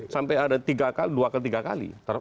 sampai ada dua ke tiga kali